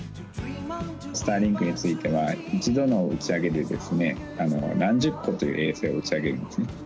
スターリンク衛星については、一度の打ち上げでですね、何十個という映像を衛星を打ち上げるんですね。